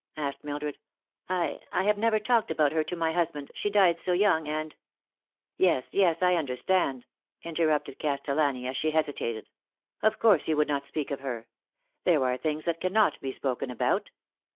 asked Mildred. " I I have never talked about her to my husband, she died so young, and w " Yes, yes, I understand," interrupted Castellani, as she hesi tated. " Of course you would not speak of her. There are things that cannot be spoken about.